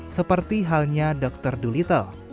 seperti halnya dr dolittle